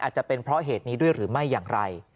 จะเป็นเพราะเหตุนี้ด้วยหรือไม่อย่างไร